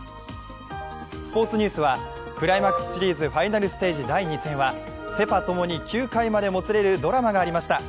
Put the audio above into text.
スポーツニュースはクライマックシリーズ・ファイナルステージ第２戦はセ・パともに９回までもつれるドラマがありました。